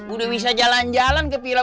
udah bisa jalan jalan ke pilot